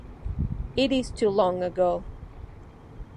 It is too long ago.